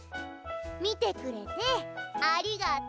見てくれてありがとう。